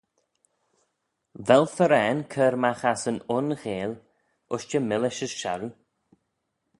Vel farrane cur magh ass yn un gheill ushtey millish as sharroo?